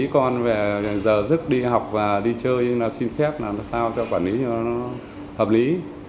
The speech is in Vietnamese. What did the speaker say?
quản lý con về giờ giấc đi học và đi chơi xin phép làm sao cho quản lý cho nó hợp lý